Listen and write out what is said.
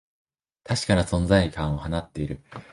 確かな存在感を放っている